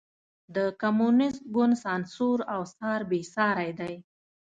د کمونېست ګوند سانسور او څار بېساری دی.